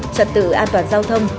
trật tự an toàn giao thông